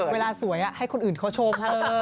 เวลาสวยให้คนอื่นเขาชม